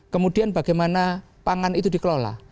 kemudian bagaimana pangan itu dikelola